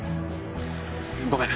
ごめん。